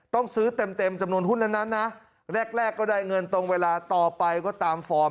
ต้องซื้อเต็มจำนวนหุ้นนั้นนะแรกก็ได้เงินตรงเวลาต่อไปก็ตามฟอร์ม